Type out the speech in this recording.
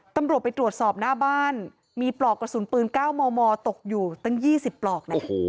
ตำรวจไปตรวจสอบหน้าบ้านมีปลอกกระสุนปืน๙มมตกอยู่ตั้ง๒๐ปลอกนะ